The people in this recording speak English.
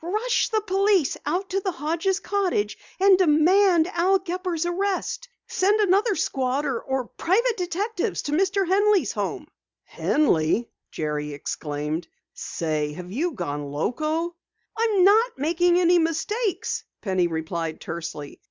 Rush the police out to the Hodges' cottage and demand Al Gepper's arrest! Send another squad or some private detectives to Mr. Henley's home." "Henley!" Jerry exclaimed. "Say, have you gone loco?" "I'm not making any mistakes," Penny replied tersely.